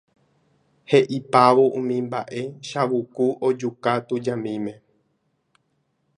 He'ipávo umi mba'e Chavuku ojuka tujamíme.